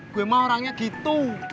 gue mah orangnya gitu